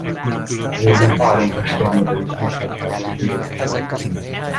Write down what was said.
Régen pálinkás kenyérrel is nyugtatták a síró csecsemőt.